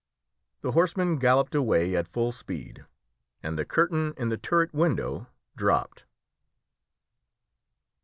The horsemen galloped away at full speed, and the curtain in the turret window dropped.